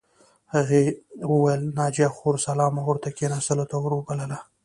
هغه وویل ناجیه خور سلام او ورته کښېناستلو ته ور وبلله